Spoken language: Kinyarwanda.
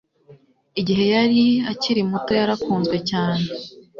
Igihe yari akiri muto yarakunzwe cyane